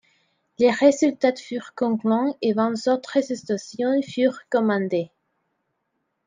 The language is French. Les résultats furent concluants et vingt autres stations furent commandées.